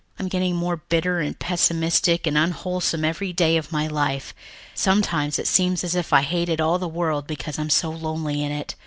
I'm getting more bitter and pessimistic and unwholesome every day of my life. Sometimes it seems as if I hated all the world because I'm so lonely in it.